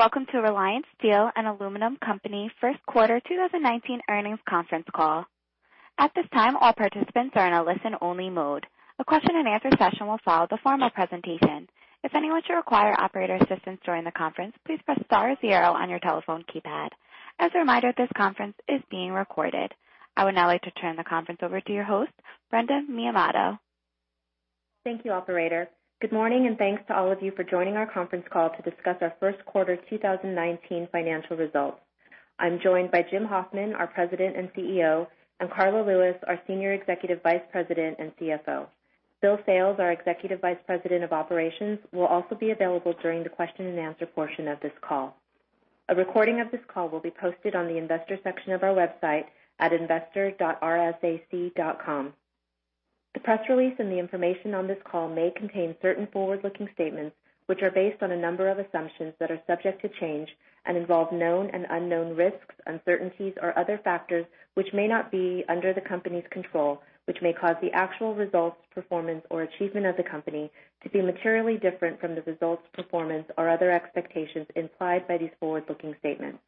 Welcome to Reliance Steel & Aluminum Co. first quarter 2019 earnings conference call. At this time, all participants are in a listen-only mode. A question and answer session will follow the formal presentation. If anyone should require operator assistance during the conference, please press star zero on your telephone keypad. As a reminder, this conference is being recorded. I would now like to turn the conference over to your host, Brenda Miyamoto. Thank you, operator. Good morning and thanks to all of you for joining our conference call to discuss our first quarter 2019 financial results. I am joined by Jim Hoffman, our President and CEO, and Karla Lewis, our Senior Executive Vice President and CFO. Bill Sales, our Executive Vice President of Operations, will also be available during the question and answer portion of this call. A recording of this call will be posted on the investor section of our website at investor.reliance.com. The press release and the information on this call may contain certain forward-looking statements, which are based on a number of assumptions that are subject to change and involve known and unknown risks, uncertainties, or other factors which may not be under the company's control, which may cause the actual results, performance, or achievement of the company to be materially different from the results, performance, or other expectations implied by these forward-looking statements.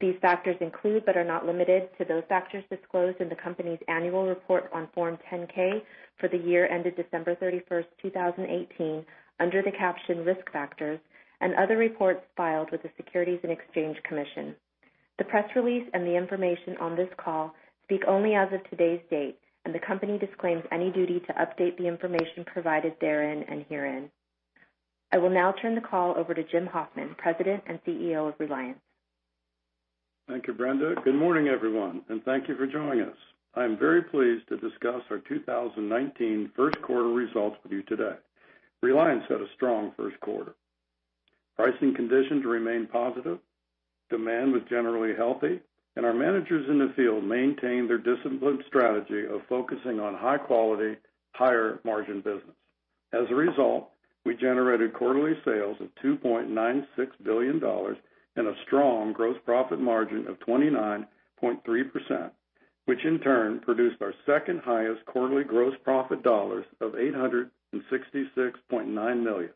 These factors include, but are not limited to, those factors disclosed in the company's annual report on Form 10-K for the year ended December 31st, 2018, under the caption Risk Factors and other reports filed with the Securities and Exchange Commission. The press release and the information on this call speak only as of today's date. The company disclaims any duty to update the information provided therein and herein. I will now turn the call over to Jim Hoffman, President and CEO of Reliance. Thank you, Brenda. Good morning, everyone, and thank you for joining us. I am very pleased to discuss our 2019 first quarter results with you today. Reliance had a strong first quarter. Pricing conditions remained positive, demand was generally healthy, and our managers in the field maintained their disciplined strategy of focusing on high-quality, higher-margin business. As a result, we generated quarterly sales of $2.96 billion and a strong gross profit margin of 29.3%, which in turn produced our second highest quarterly gross profit dollars of $866.9 million,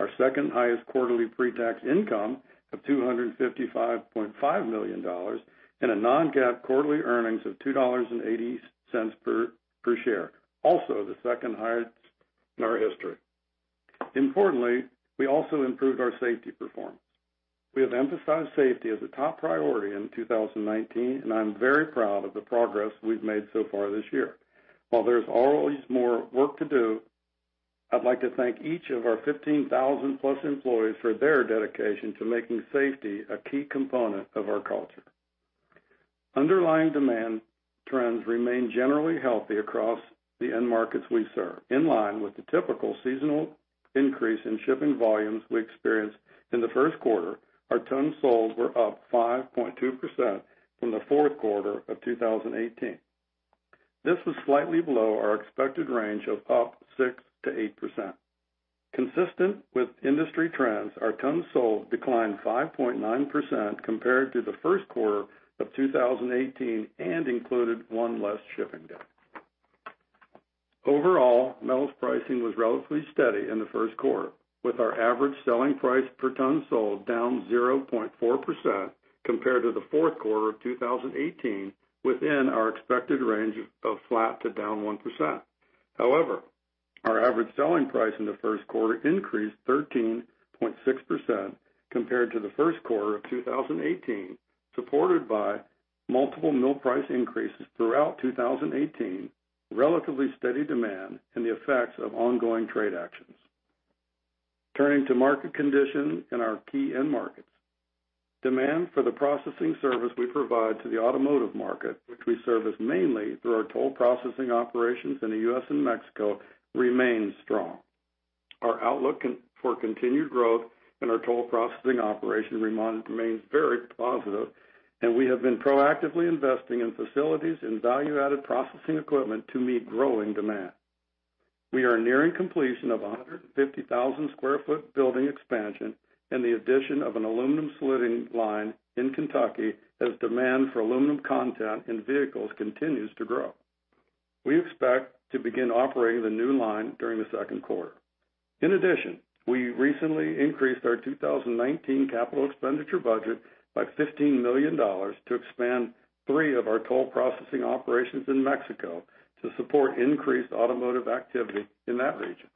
our second highest quarterly pre-tax income of $255.5 million, and a non-GAAP quarterly earnings of $2.80 per share, also the second highest in our history. Importantly, we also improved our safety performance. We have emphasized safety as a top priority in 2019, and I'm very proud of the progress we've made so far this year. While there's always more work to do, I'd like to thank each of our 15,000-plus employees for their dedication to making safety a key component of our culture. Underlying demand trends remain generally healthy across the end markets we serve. In line with the typical seasonal increase in shipping volumes we experienced in the first quarter, our tons sold were up 5.2% from the fourth quarter of 2018. This was slightly below our expected range of up 6%-8%. Consistent with industry trends, our tons sold declined 5.9% compared to the first quarter of 2018 and included one less shipping day. Overall, metals pricing was relatively steady in the first quarter, with our average selling price per ton sold down 0.4% compared to the fourth quarter of 2018, within our expected range of flat to down 1%. Our average selling price in the first quarter increased 13.6% compared to the first quarter of 2018, supported by multiple mill price increases throughout 2018, relatively steady demand, and the effects of ongoing trade actions. Turning to market conditions in our key end markets. Demand for the processing service we provide to the automotive market, which we service mainly through our toll processing operations in the U.S. and Mexico, remains strong. Our outlook for continued growth in our toll processing operation remains very positive, and we have been proactively investing in facilities and value-added processing equipment to meet growing demand. We are nearing completion of 150,000 sq ft building expansion and the addition of an aluminum slitting line in Kentucky as demand for aluminum content in vehicles continues to grow. We expect to begin operating the new line during the second quarter. We recently increased our 2019 capital expenditure budget by $15 million to expand three of our toll processing operations in Mexico to support increased automotive activity in that region.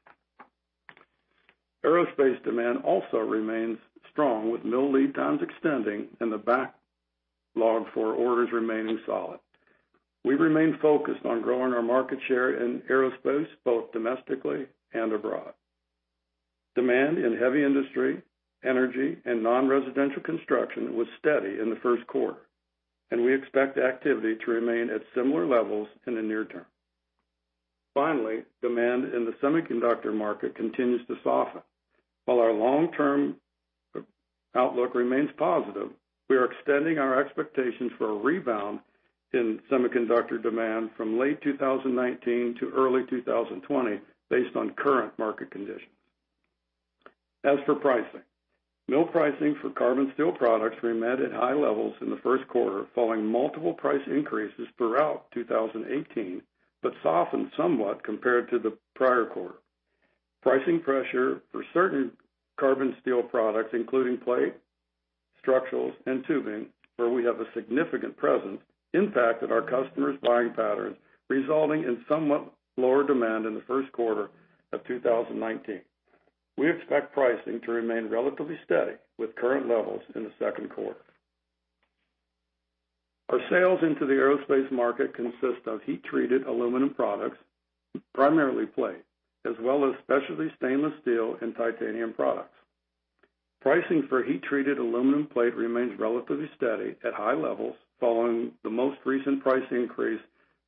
Aerospace demand also remains strong, with mill lead times extending and the backlog for orders remaining solid. We remain focused on growing our market share in aerospace, both domestically and abroad. Demand in heavy industry, energy, and non-residential construction was steady in the first quarter, and we expect activity to remain at similar levels in the near term. Finally, demand in the semiconductor market continues to soften. While our long-term outlook remains positive, we are extending our expectations for a rebound in semiconductor demand from late 2019 to early 2020 based on current market conditions. As for pricing, mill pricing for carbon steel products remained at high levels in the first quarter, following multiple price increases throughout 2018, but softened somewhat compared to the prior quarter. Pricing pressure for certain carbon steel products, including plate, structurals, and tubing, where we have a significant presence, impacted our customers' buying patterns, resulting in somewhat lower demand in the first quarter of 2019. We expect pricing to remain relatively steady with current levels in the second quarter. Our sales into the aerospace market consist of heat-treated aluminum products, primarily plate, as well as specialty stainless steel and titanium products. Pricing for heat-treated aluminum plate remains relatively steady at high levels, following the most recent price increase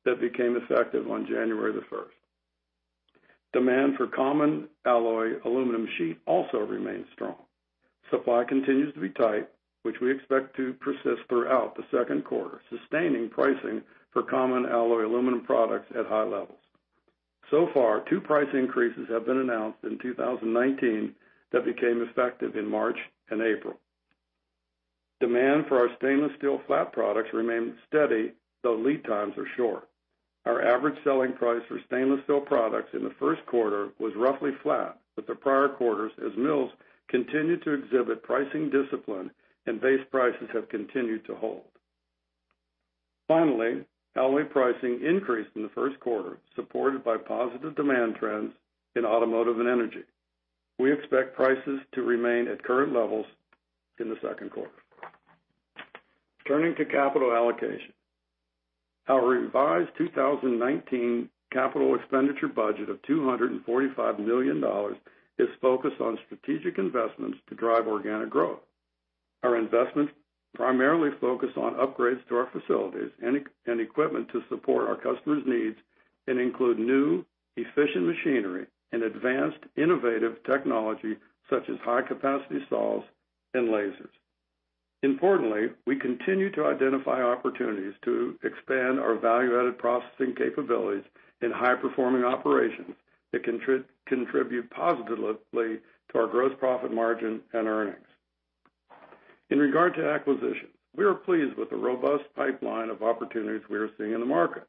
that became effective on January the 1st. Demand for common alloy aluminum sheet also remains strong. Supply continues to be tight, which we expect to persist throughout the second quarter, sustaining pricing for common alloy aluminum products at high levels. Two price increases have been announced in 2019 that became effective in March and April. Demand for our stainless steel flat products remains steady, though lead times are short. Our average selling price for stainless steel products in the first quarter was roughly flat with the prior quarters, as mills continued to exhibit pricing discipline and base prices have continued to hold. Finally, alloy pricing increased in the first quarter, supported by positive demand trends in automotive and energy. We expect prices to remain at current levels in the second quarter. Turning to capital allocation. Our revised 2019 capital expenditure budget of $245 million is focused on strategic investments to drive organic growth. Our investments primarily focus on upgrades to our facilities and equipment to support our customers' needs and include new, efficient machinery and advanced innovative technology, such as high-capacity saws and lasers. Importantly, we continue to identify opportunities to expand our value-added processing capabilities in high-performing operations that contribute positively to our gross profit margin and earnings. In regard to acquisitions, we are pleased with the robust pipeline of opportunities we are seeing in the market.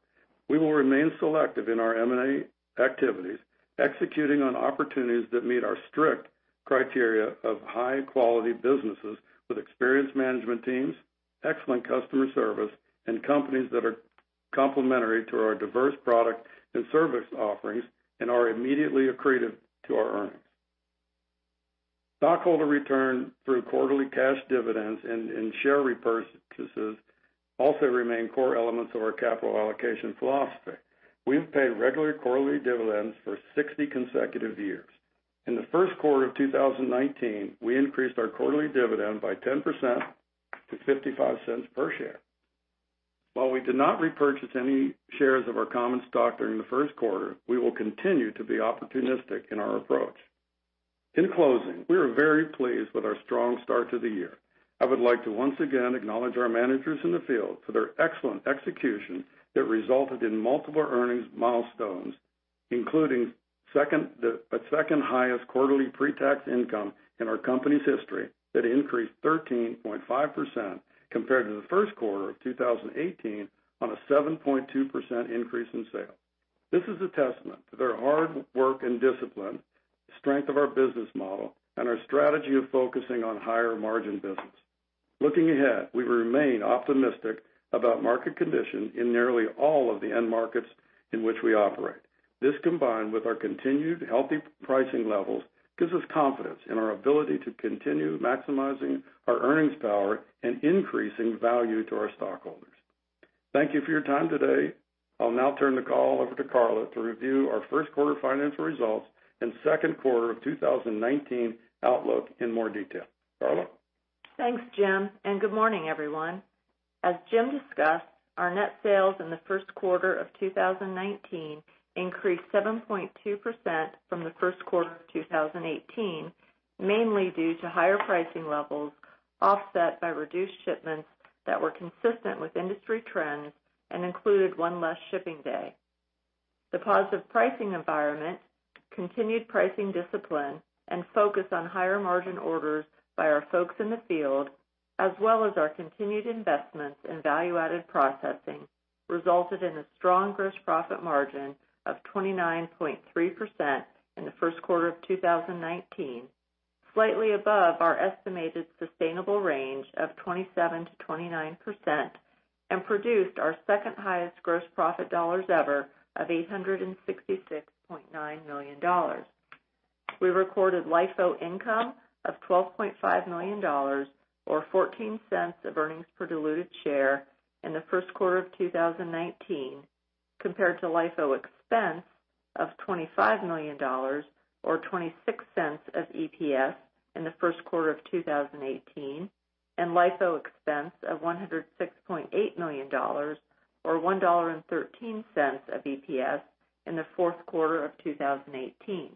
We will remain selective in our M&A activities, executing on opportunities that meet our strict criteria of high-quality businesses with experienced management teams, excellent customer service, and companies that are complementary to our diverse product and service offerings and are immediately accretive to our earnings. Stockholder return through quarterly cash dividends and share repurchases also remain core elements of our capital allocation philosophy. We have paid regular quarterly dividends for 60 consecutive years. In the first quarter of 2019, we increased our quarterly dividend by 10% to $0.55 per share. While we did not repurchase any shares of our common stock during the first quarter, we will continue to be opportunistic in our approach. In closing, we are very pleased with our strong start to the year. I would like to once again acknowledge our managers in the field for their excellent execution that resulted in multiple earnings milestones, including a second-highest quarterly pre-tax income in our company's history that increased 13.5% compared to the first quarter of 2018 on a 7.2% increase in sales. This is a testament to their hard work and discipline, the strength of our business model, and our strategy of focusing on higher-margin business. Looking ahead, we remain optimistic about market condition in nearly all of the end markets in which we operate. This, combined with our continued healthy pricing levels, gives us confidence in our ability to continue maximizing our earnings power and increasing value to our stockholders. Thank you for your time today. I'll now turn the call over to Karla to review our first quarter financial results and second quarter of 2019 outlook in more detail. Karla? Thanks, Jim, good morning, everyone. As Jim discussed, our net sales in the first quarter of 2019 increased 7.2% from the first quarter of 2018, mainly due to higher pricing levels offset by reduced shipments that were consistent with industry trends and included one less shipping day. The positive pricing environment, continued pricing discipline, and focus on higher-margin orders by our folks in the field, as well as our continued investments in value-added processing, resulted in a strong gross profit margin of 29.3% in the first quarter of 2019, slightly above our estimated sustainable range of 27%-29%, and produced our second-highest gross profit dollars ever of $866.9 million. We recorded LIFO income of $12.5 million, or $0.14 of earnings per diluted share in the first quarter of 2019, compared to LIFO expense of $25 million, or $0.26 of EPS in the first quarter of 2018, and LIFO expense of $106.8 million, or $1.13 of EPS in the fourth quarter of 2018.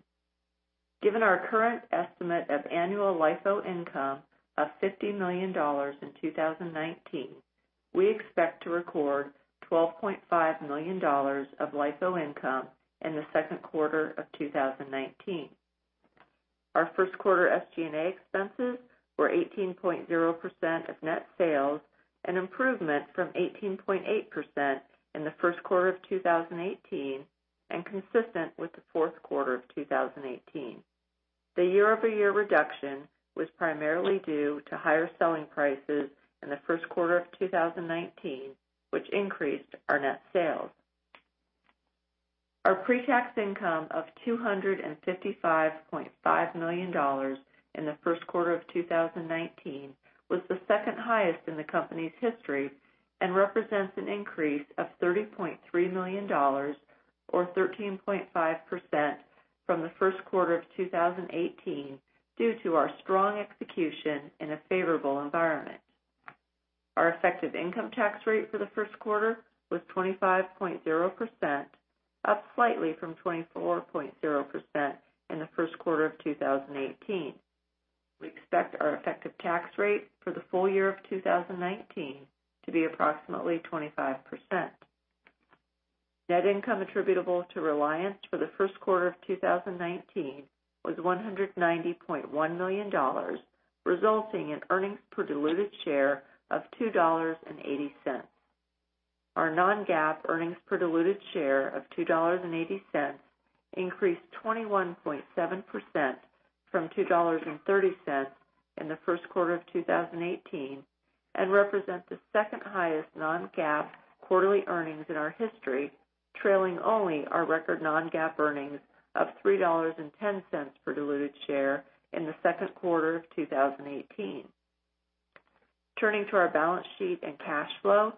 Given our current estimate of annual LIFO income of $50 million in 2019, we expect to record $12.5 million of LIFO income in the second quarter of 2019. Our first quarter SG&A expenses were 18.0% of net sales, an improvement from 18.8% in the first quarter of 2018, and consistent with the fourth quarter of 2018. The year-over-year reduction was primarily due to higher selling prices in the first quarter of 2019, which increased our net sales. Our pre-tax income of $255.5 million in the first quarter of 2019 was the second highest in the company's history, represents an increase of $30.3 million, or 13.5%, from the first quarter of 2018, due to our strong execution in a favorable environment. Our effective income tax rate for the first quarter was 25.0%, up slightly from 24.0% in the first quarter of 2018. We expect our effective tax rate for the full year of 2019 to be approximately 25%. Net income attributable to Reliance for the first quarter of 2019 was $190.1 million, resulting in earnings per diluted share of $2.80. Our non-GAAP earnings per diluted share of $2.80 increased 21.7% from $2.30 in the first quarter of 2018, represent the second highest non-GAAP quarterly earnings in our history, trailing only our record non-GAAP earnings of $3.10 per diluted share in the second quarter of 2018. Turning to our balance sheet and cash flow.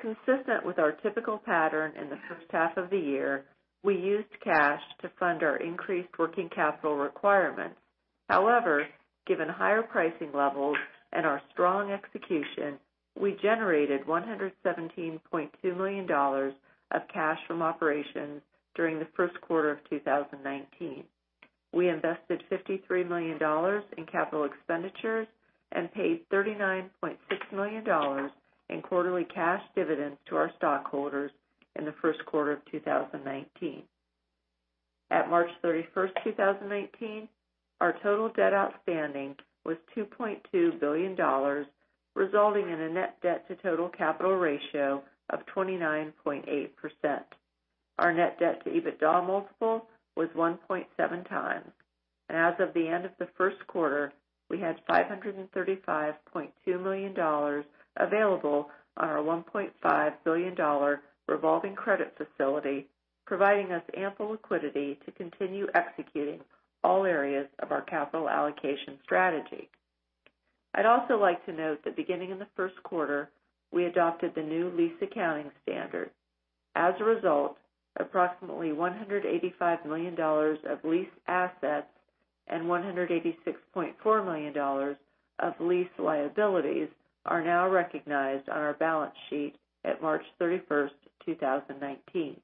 Consistent with our typical pattern in the first half of the year, we used cash to fund our increased working capital requirements. However, given higher pricing levels and our strong execution, we generated $117.2 million of cash from operations during the first quarter of 2019. We invested $53 million in capital expenditures and paid $39.6 million in quarterly cash dividends to our stockholders in the first quarter of 2019. At March 31st, 2019, our total debt outstanding was $2.2 billion, resulting in a net debt to total capital ratio of 29.8%. Our net debt to EBITDA multiple was 1.7 times. As of the end of the first quarter, we had $535.2 million available on our $1.5 billion revolving credit facility, providing us ample liquidity to continue executing all areas of our capital allocation strategy. I'd also like to note that beginning in the first quarter, we adopted the new lease accounting standard. As a result, approximately $185 million of lease assets and $186.4 million of lease liabilities are now recognized on our balance sheet at March 31st, 2019.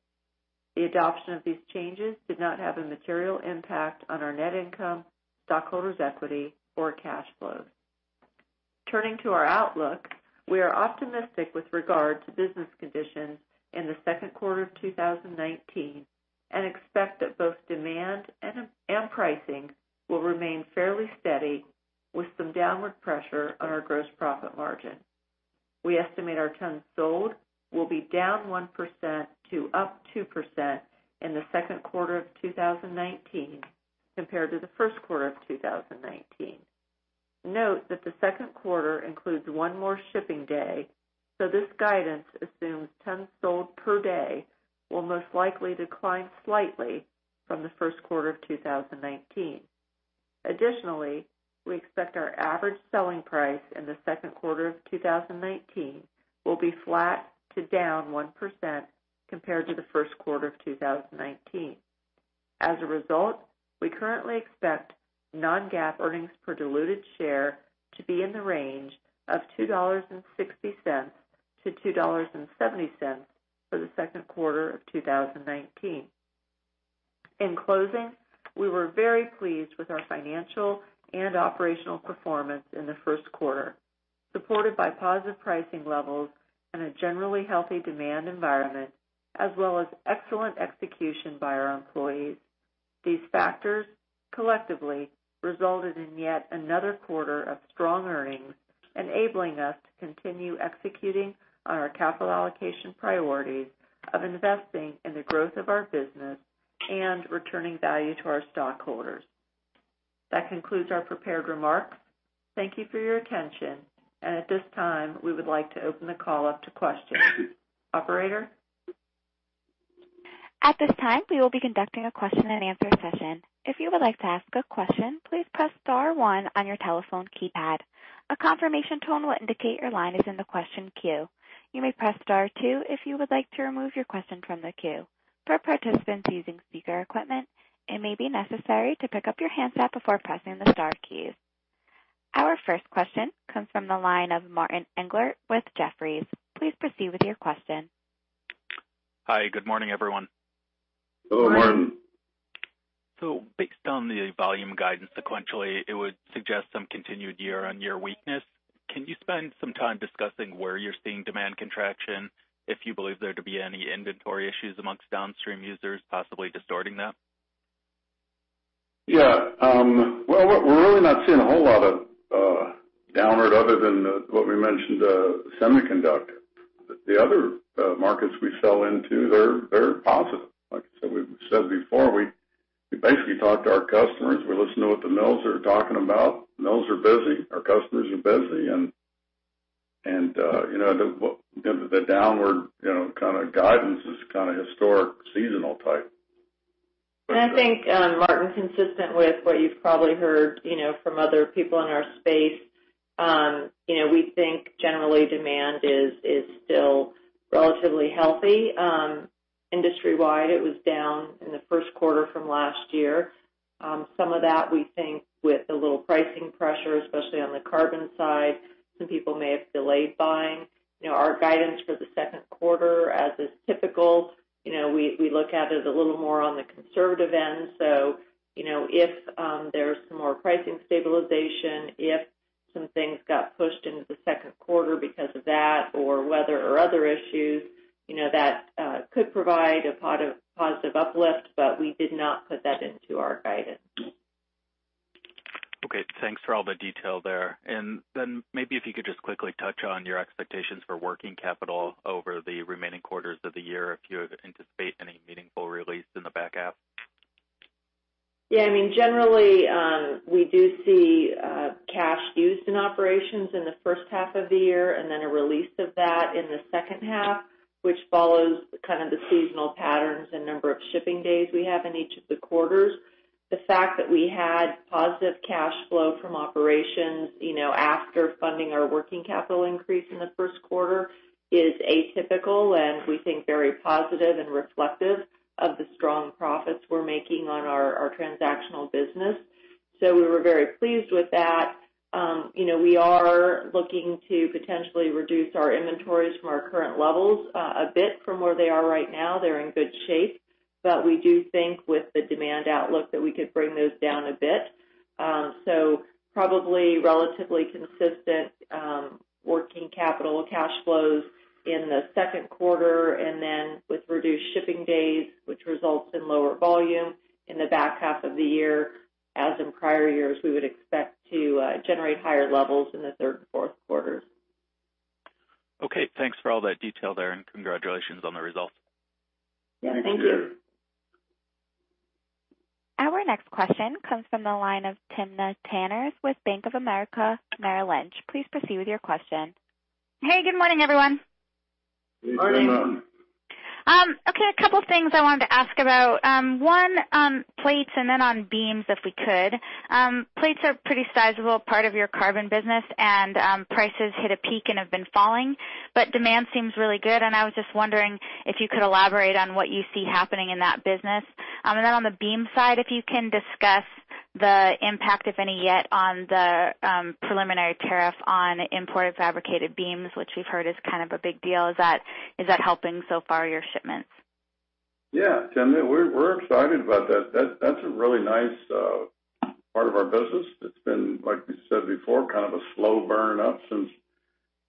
The adoption of these changes did not have a material impact on our net income, stockholders' equity, or cash flows. Turning to our outlook, we are optimistic with regard to business conditions in the second quarter of 2019, expect that both demand and pricing will remain fairly steady, with some downward pressure on our gross profit margin. We estimate our tons sold will be down 1% to up 2% in the second quarter of 2019 compared to the first quarter of 2019. Note that the second quarter includes one more shipping day, this guidance assumes tons sold per day will most likely decline slightly from the first quarter of 2019. Additionally, we expect our average selling price in the second quarter of 2019 will be flat to down 1% compared to the first quarter of 2019. As a result, we currently expect non-GAAP earnings per diluted share to be in the range of $2.60 to $2.70 for the second quarter of 2019. In closing, we were very pleased with our financial and operational performance in the first quarter, supported by positive pricing levels and a generally healthy demand environment, as well as excellent execution by our employees. These factors collectively resulted in yet another quarter of strong earnings, enabling us to continue executing on our capital allocation priorities of investing in the growth of our business and returning value to our stockholders. That concludes our prepared remarks. Thank you for your attention, at this time, we would like to open the call up to questions. Operator? At this time, we will be conducting a question and answer session. If you would like to ask a question, please press star one on your telephone keypad. A confirmation tone will indicate your line is in the question queue. You may press star two if you would like to remove your question from the queue. For participants using speaker equipment, it may be necessary to pick up your handset before pressing the star keys. Our first question comes from the line of Martin Englert with Jefferies. Please proceed with your question. Hi. Good morning, everyone. Good morning. Based on the volume guidance sequentially, it would suggest some continued year-on-year weakness Can you spend some time discussing where you're seeing demand contraction, if you believe there to be any inventory issues amongst downstream users, possibly distorting that? Yeah. Well, we're really not seeing a whole lot of downward other than what we mentioned, the semiconductor. The other markets we sell into, they're positive. Like we've said before, we basically talk to our customers. We listen to what the mills are talking about. Mills are busy, our customers are busy, The downward kind of guidance is kind of historic, seasonal type. I think, Martin, consistent with what you've probably heard from other people in our space. We think generally demand is still relatively healthy. Industry-wide, it was down in the first quarter from last year. Some of that we think with a little pricing pressure, especially on the carbon side, some people may have delayed buying. Our guidance for the second quarter as is typical, we look at it a little more on the conservative end. If there's some more pricing stabilization, if some things got pushed into the second quarter because of that, or weather or other issues, that could provide a positive uplift. We did not put that into our guidance. Okay. Thanks for all the detail there. Maybe if you could just quickly touch on your expectations for working capital over the remaining quarters of the year, if you anticipate any meaningful release in the back half. Yeah. Generally, we do see cash used in operations in the first half of the year and then a release of that in the second half, which follows kind of the seasonal patterns and number of shipping days we have in each of the quarters. The fact that we had positive cash flow from operations after funding our working capital increase in the first quarter is atypical, and we think very positive and reflective of the strong profits we're making on our transactional business. We were very pleased with that. We are looking to potentially reduce our inventories from our current levels a bit from where they are right now. They're in good shape. We do think with the demand outlook that we could bring those down a bit. Probably relatively consistent working capital cash flows in the second quarter, and then with reduced shipping days, which results in lower volume in the back half of the year. As in prior years, we would expect to generate higher levels in the third and fourth quarters. Okay. Thanks for all that detail there, and congratulations on the results. Yeah. Thank you. Thank you. Our next question comes from the line of Timna Tanners with Bank of America Merrill Lynch. Please proceed with your question. Hey, good morning, everyone. Good morning. Morning. Okay, a couple things I wanted to ask about. One, plates and then on beams, if we could. Plates are pretty sizable part of your carbon business, and prices hit a peak and have been falling, but demand seems really good, and I was just wondering if you could elaborate on what you see happening in that business. Then on the beam side, if you can discuss the impact, if any, yet on the preliminary tariff on imported fabricated beams, which we've heard is kind of a big deal. Is that helping so far your shipments? Yeah. Timna, we're excited about that. That's a really nice part of our business. It's been, like we said before, kind of a slow burn up since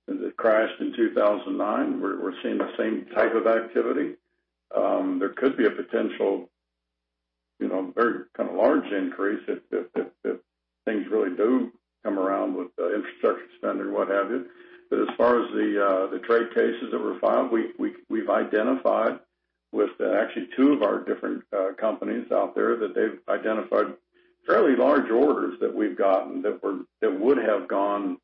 it crashed in 2009. We're seeing the same type of activity. There could be a potential very kind of large increase if things really do come around with infrastructure spend or what have you. As far as the trade cases that were filed, we've identified with actually two of our different companies out there that they've identified fairly large orders that we've gotten that would have gone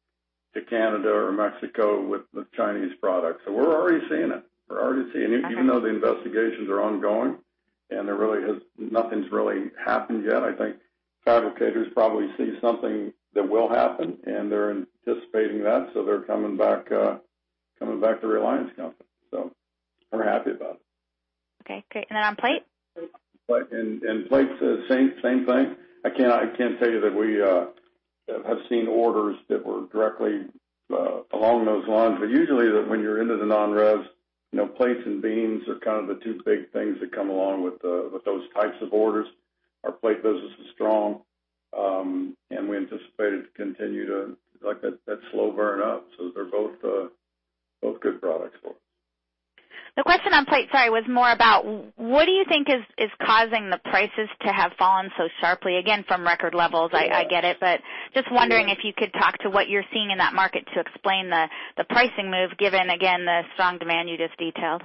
to Canada or Mexico with Chinese products. We're already seeing it. We're already seeing it. Okay. Even though the investigations are ongoing and nothing's really happened yet. I think fabricators probably see something that will happen, and they're anticipating that, they're coming back to Reliance company. We're happy about it. Okay, great. Then on plate? Plates, same thing. I can't tell you that we have seen orders that were directly along those lines. Usually, when you're into the non-res, plates and beams are kind of the two big things that come along with those types of orders. Our plate business is strong. We anticipate it to continue to, like I said, that slow burn up. They're both good products for us. The question on plate, sorry, was more about what do you think is causing the prices to have fallen so sharply, again, from record levels? I get it, but just wondering if you could talk to what you're seeing in that market to explain the pricing move, given, again, the strong demand you just detailed.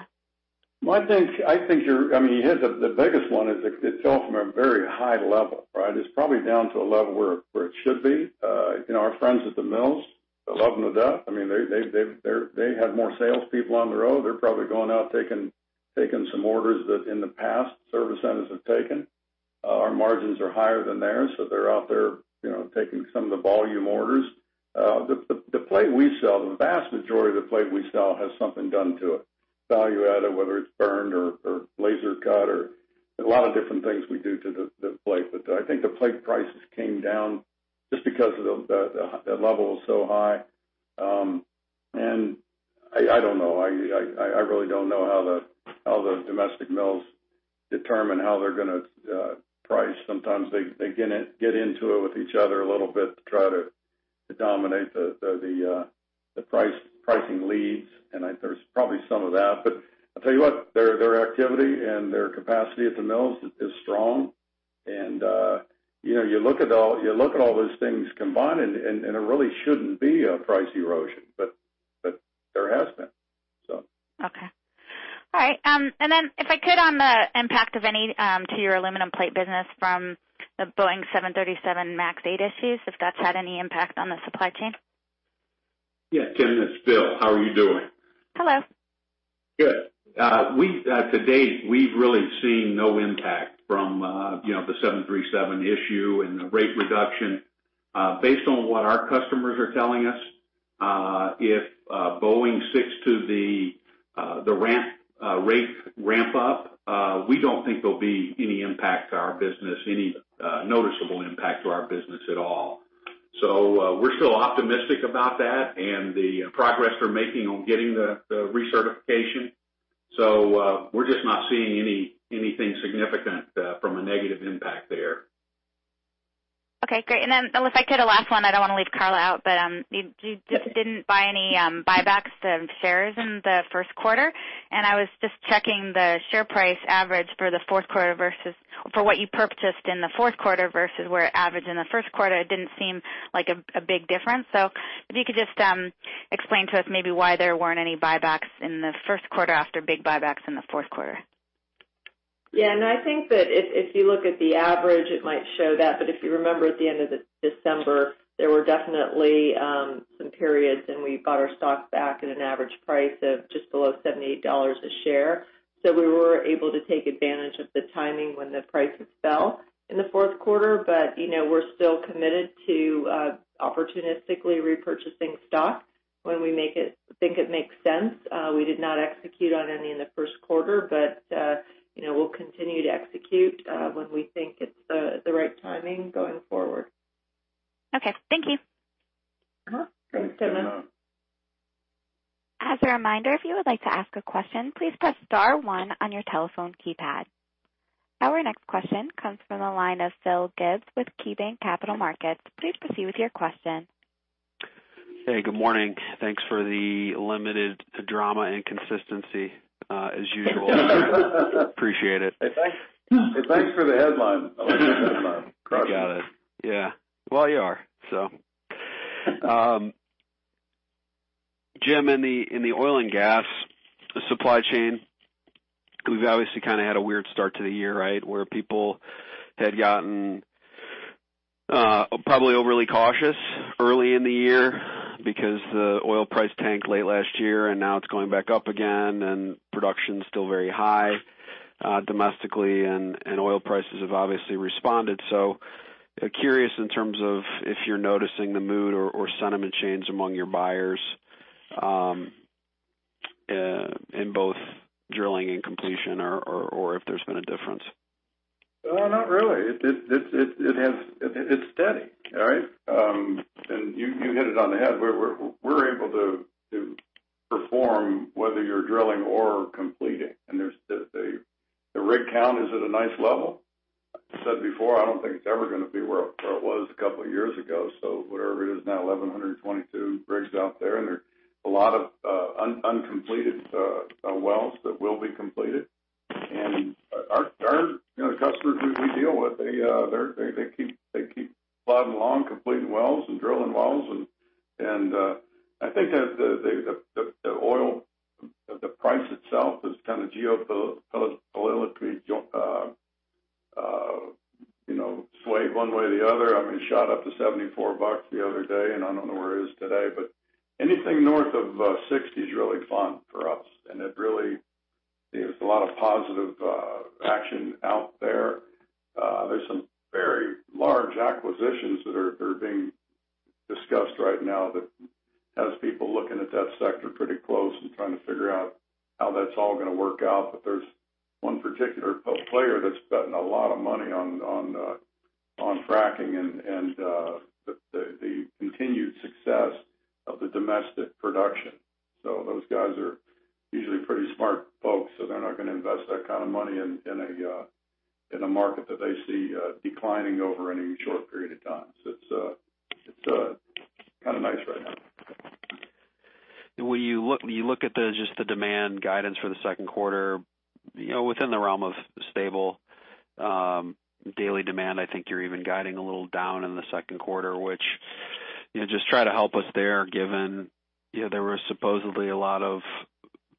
I think The biggest one is it fell from a very high level, right? It's probably down to a level where it should be. Our friends at the mills, they love them to death. They have more salespeople on the road. They're probably going out taking some orders that in the past service centers have taken. Our margins are higher than theirs, so they're out there taking some of the volume orders. The plate we sell, the vast majority of the plate we sell has something done to it, value add, whether it's burned or laser cut or a lot of different things we do to the plate. I think the plate prices came down just because the level was so high. I don't know. I really don't know how the domestic mills determine how they're going to price. Sometimes they get into it with each other a little bit to try to dominate the pricing leads, and there's probably some of that. I'll tell you what, their activity and their capacity at the mills is strong. You look at all those things combined, and it really shouldn't be a price erosion, but there has been. Okay. All right. If I could, on the impact of any to your aluminum plate business from the Boeing 737 MAX 8 issues, if that's had any impact on the supply chain? Yeah. Timna, it's Bill. How are you doing? Hello. Good. To date, we've really seen no impact from the 737 issue and the rate reduction. Based on what our customers are telling us, if Boeing sticks to the rate ramp up, we don't think there'll be any noticeable impact to our business at all. We're still optimistic about that and the progress they're making on getting the recertification. We're just not seeing anything significant from a negative impact there. Okay, great. If I could, a last one, I don't want to leave Karla out, but you didn't buy any buybacks of shares in the first quarter. I was just checking the share price average for what you purchased in the fourth quarter versus where it averaged in the first quarter. It didn't seem like a big difference. If you could just explain to us maybe why there weren't any buybacks in the first quarter after big buybacks in the fourth quarter. Yeah. No, I think that if you look at the average, it might show that, but if you remember at the end of December, there were definitely some periods when we bought our stocks back at an average price of just below $78 a share. We were able to take advantage of the timing when the prices fell in the fourth quarter. We're still committed to opportunistically repurchasing stock when we think it makes sense. We did not execute on any in the first quarter, but we'll continue to execute when we think it's the right timing going forward. Okay. Thank you. Thanks, Timna. Thanks, Timna. As a reminder, if you would like to ask a question, please press star one on your telephone keypad. Our next question comes from the line of Philip Gibbs with KeyBanc Capital Markets. Please proceed with your question. Hey, good morning. Thanks for the limited drama and consistency as usual. Appreciate it. Hey, thanks for the headline on that one. You got it. Yeah. Well, you are. Jim, in the oil and gas supply chain, we've obviously kind of had a weird start to the year, right? Where people had gotten probably overly cautious early in the year because the oil price tanked late last year, and now it's going back up again, and production's still very high domestically, and oil prices have obviously responded. Curious in terms of if you're noticing the mood or sentiment change among your buyers in both drilling and completion or if there's been a difference. No, not really. It's steady, all right? You hit it on the head. We're able to perform whether you're drilling or completing, the rig count is at a nice level. I said before, I don't think it's ever going to be where it was a couple of years ago, whatever it is now, 1,122 rigs out there are a lot of uncompleted wells that will be completed. Our customers who we deal with, they keep plodding along, completing wells and drilling wells. I think as the price itself is kind of geopolitically swayed one way or the other. It shot up to $74 the other day, I don't know where it is today, anything north of $60 is really fun for us, it really leaves a lot of positive action out there. There's some very large acquisitions that are being discussed right now that has people looking at that sector pretty close and trying to figure out how that's all going to work out. There's one particular player that's betting a lot of money on fracking and the continued success of the domestic production. Those guys are usually pretty smart folks, they're not going to invest that kind of money in a market that they see declining over any short period of time. It's kind of nice right now. When you look at just the demand guidance for the second quarter, within the realm of stable daily demand, I think you're even guiding a little down in the second quarter, which just try to help us there given there was supposedly a lot of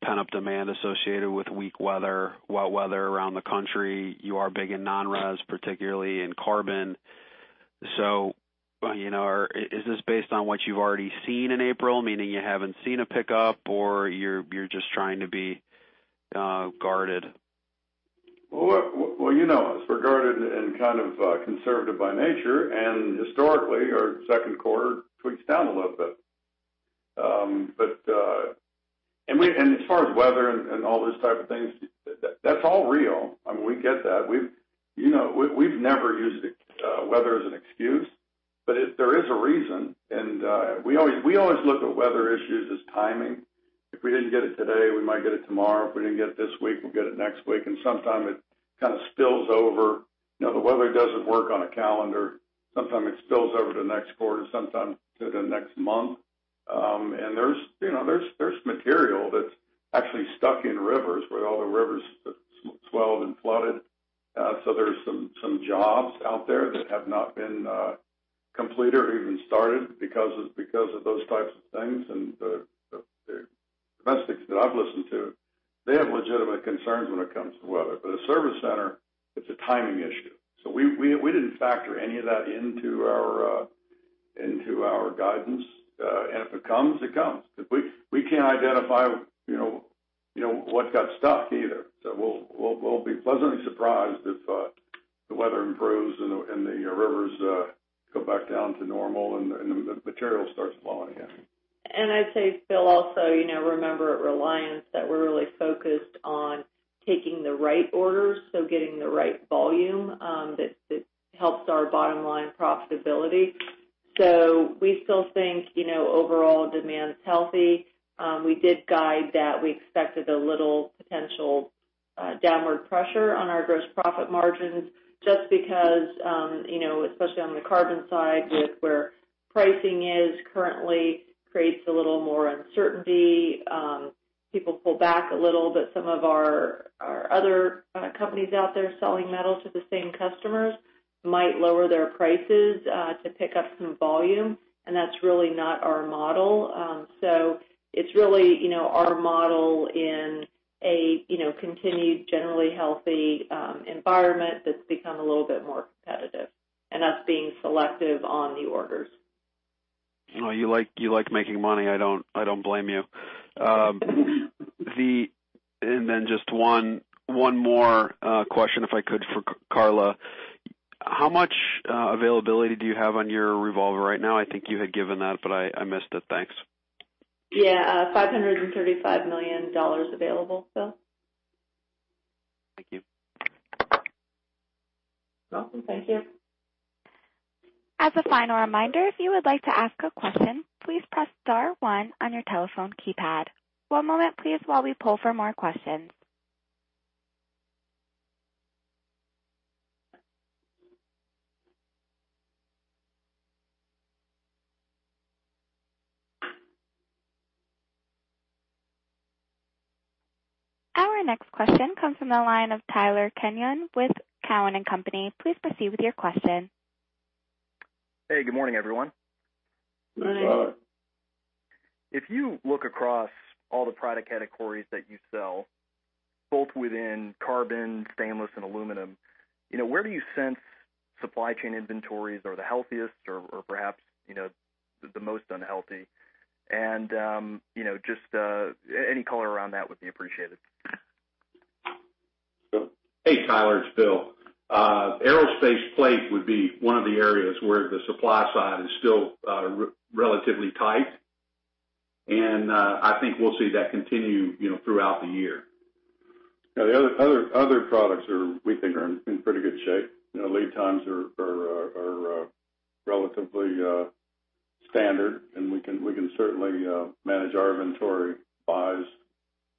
pent-up demand associated with weak weather, wet weather around the country. You are big in non-res, particularly in carbon. Is this based on what you've already seen in April, meaning you haven't seen a pickup, or you're just trying to be guarded? Well, you know us. We're guarded and kind of conservative by nature, historically, our second quarter tweaks down a little bit. As far as weather and all those type of things, that's all real. We get that. We've never used weather as an excuse, there is a reason, we always look at weather issues as timing. If we didn't get it today, we might get it tomorrow. If we didn't get it this week, we'll get it next week. Sometime it kind of spills over. The weather doesn't work on a calendar. Sometimes it spills over to next quarter, sometimes to the next month. There's material that's actually stuck in rivers, where all the rivers have swelled and flooded. There's some jobs out there that have not been completed or even started because of those types of things. The domestics that I've listened to, they have legitimate concerns when it comes to weather. A service center, it's a timing issue. We didn't factor any of that into our guidance. If it comes, it comes. We can't identify what got stuck either. We'll be pleasantly surprised if the weather improves and the rivers go back down to normal, and the material starts flowing again. I'd say, Phil, also, remember at Reliance that we're really focused on taking the right orders, getting the right volume that helps our bottom-line profitability. We still think overall demand's healthy. We did guide that we expected a little potential downward pressure on our gross profit margins just because, especially on the carbon side, with where pricing is currently creates a little more uncertainty. People pull back a little, some of our other companies out there selling metal to the same customers might lower their prices to pick up some volume, and that's really not our model. It's really our model in a continued, generally healthy environment that's become a little bit more competitive, and us being selective on new orders. You like making money. I don't blame you. Just one more question, if I could, for Karla. How much availability do you have on your revolver right now? I think you had given that, but I missed it. Thanks. Yeah. $535 million available, Phil. Thank you. Welcome. Thank you. As a final reminder, if you would like to ask a question, please press star one on your telephone keypad. One moment, please, while we poll for more questions. Our next question comes from the line of Tyler Kenyon with Cowen and Company. Please proceed with your question. Hey, good morning, everyone. Good morning. Good morning. If you look across all the product categories that you sell, both within carbon, stainless, and aluminum, where do you sense supply chain inventories are the healthiest or perhaps the most unhealthy? Just any color around that would be appreciated. Phil? Hey, Tyler. It's Bill. Aerospace plate would be one of the areas where the supply side is still relatively tight. I think we'll see that continue throughout the year. Yeah. The other products we think are in pretty good shape. Lead times are relatively standard, we can certainly manage our inventory buys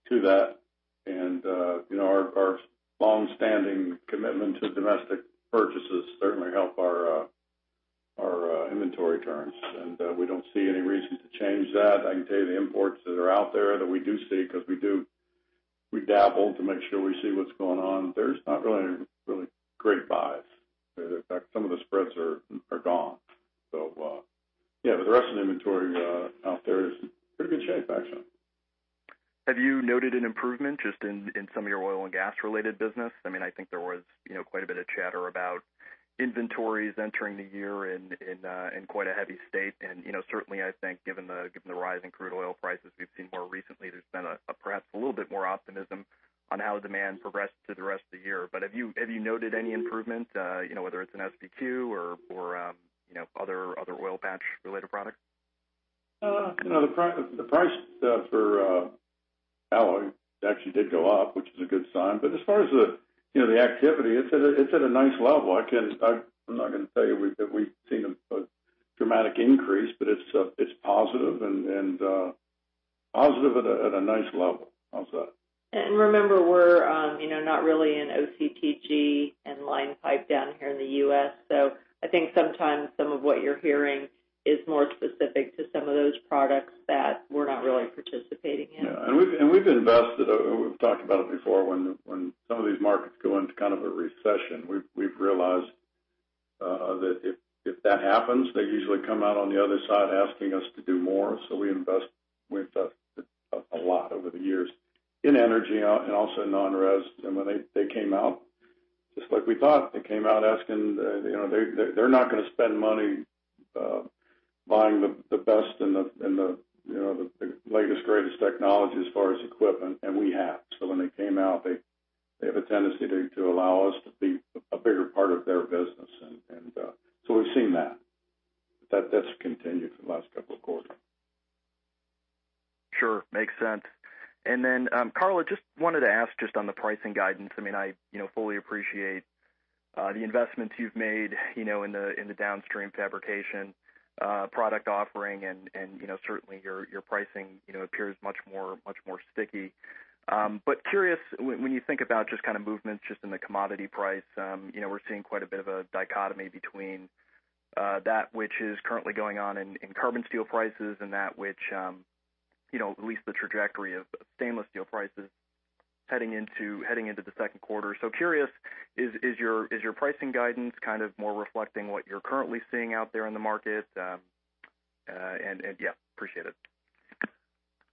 to that. Our longstanding commitment to domestic purchases certainly help our inventory turns, and we don't see any reason to change that. I can tell you the imports that are out there that we do see, because we dabble to make sure we see what's going on, there's not really any great buys. As a matter of fact, some of the spreads are gone. Yeah, the rest of the inventory out there is in pretty good shape, actually. Have you noted an improvement just in some of your oil and gas-related business? I think there was quite a bit of chatter about inventories entering the year in quite a heavy state. Certainly, I think given the rise in crude oil prices we've seen more recently, there's been perhaps a little bit more optimism on how demand progressed through the rest of the year. Have you noted any improvement, whether it's in SP2 or other oil patch-related products? The price for alloy actually did go up, which is a good sign. As far as the activity, it's at a nice level. I'm not going to tell you we've seen a dramatic increase, but it's positive, and positive at a nice level. How's that? Remember, we're not really in OCTG and line pipe down here in the U.S., so I think sometimes some of what you're hearing is more specific to some of those products that we're not really participating in. Yeah. We've invested, we've talked about it before, when some of these markets go into kind of a recession. We've realized that if that happens, they usually come out on the other side asking us to do more. We invest a lot over the years in energy and also in non-res. When they came out, just like we thought, they came out asking. They're not going to spend money buying the best and the latest, greatest technology as far as equipment, and we have. When they came out, they have a tendency to allow us to be a bigger part of their business. We've seen that. That's continued for the last couple of quarters. Sure. Makes sense. Then, Karla, just wanted to ask just on the pricing guidance, I fully appreciate the investments you've made in the downstream fabrication product offering, and certainly your pricing appears much more sticky. Curious, when you think about just kind of movements just in the commodity price, we're seeing quite a bit of a dichotomy between that which is currently going on in carbon steel prices and that which, at least the trajectory of stainless steel prices heading into the second quarter. Curious, is your pricing guidance kind of more reflecting what you're currently seeing out there in the market? Yeah, appreciate it.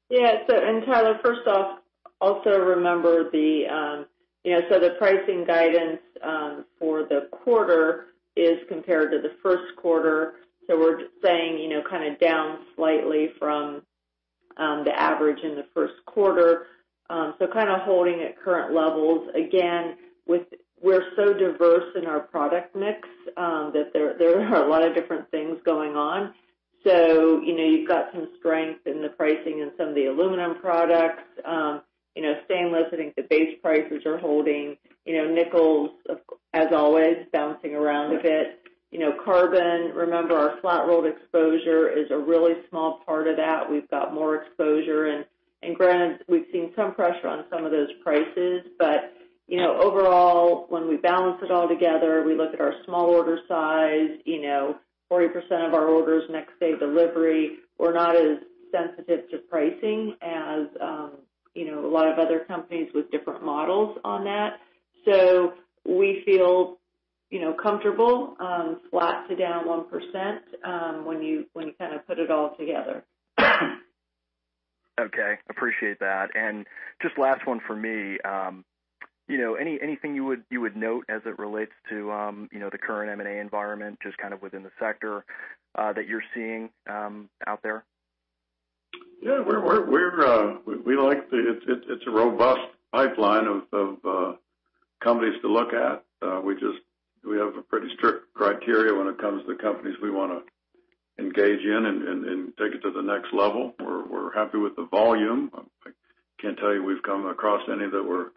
Yeah. Tyler, first off, also remember the pricing guidance for the quarter is compared to the first quarter. We're saying kind of down slightly from the average in the first quarter. Kind of holding at current levels. Again, we're so diverse in our product mix, that there are a lot of different things going on. You've got some strength in the pricing in some of the aluminum products. Stainless, I think the base prices are holding. Nickel, as always, bouncing around a bit. Carbon, remember our flat-rolled exposure is a really small part of that. We've got more exposure in [grant]. We've seen some pressure on some of those prices. Overall, when we balance it all together, we look at our small order size, 40% of our orders next day delivery. We're not as sensitive to pricing as a lot of other companies with different models on that. We feel comfortable, flat to down 1% when you kind of put it all together. Okay. Appreciate that. Just last one from me. Anything you would note as it relates to the current M&A environment, just kind of within the sector, that you're seeing out there? Yeah. It's a robust pipeline of companies to look at. We have a pretty strict criteria when it comes to companies we want to engage in and take it to the next level. We're happy with the volume. I can't tell you we've come across any that we're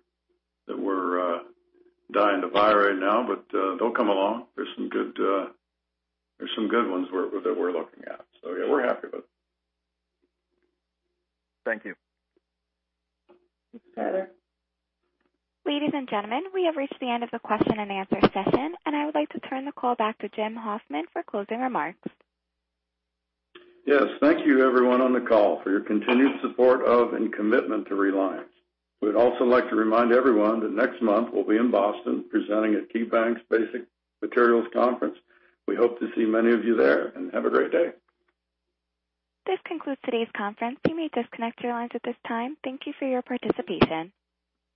dying to buy right now, but they'll come along. There's some good ones that we're looking at. Yeah, we're happy with it. Thank you. Thanks, Tyler. Ladies and gentlemen, we have reached the end of the question-and-answer session, and I would like to turn the call back to Jim Hoffman for closing remarks. Yes. Thank you everyone on the call for your continued support of and commitment to Reliance. We'd also like to remind everyone that next month we'll be in Boston presenting at KeyBanc's Basic Materials Conference. We hope to see many of you there, and have a great day. This concludes today's conference. You may disconnect your lines at this time. Thank you for your participation.